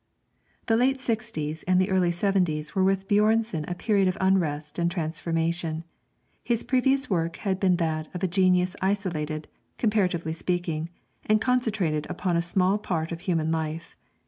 The late sixties and the early seventies were with Björnson a period of unrest and transformation. His previous work had been that of a genius isolated, comparatively speaking, and concentrated upon a small part of human life.